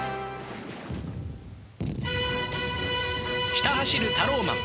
ひた走るタローマン。